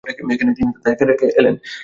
এখানেই তিনি তাদেরকে রেখে এলেন।